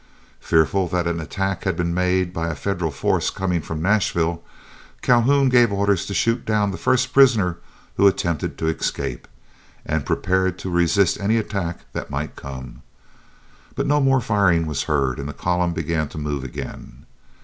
Fearful that an attack had been made by a Federal force coming from Nashville, Calhoun gave orders to shoot down the first prisoner who attempted to escape, and prepared to resist any attack that might come. But no more firing was heard, and the column began to move again.